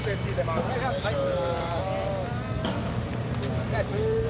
お願いします。